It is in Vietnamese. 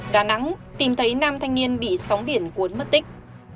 đà nẵng tìm thấy nam thanh niên bị sóng biển cuốn mất tích